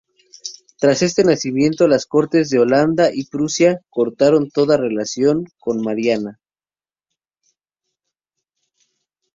Tras este nacimiento, las cortes de Holanda y Prusia cortaron toda relación con Mariana.